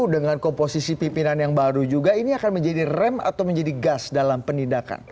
dengan komposisi pimpinan yang baru juga ini akan menjadi rem atau menjadi gas dalam penindakan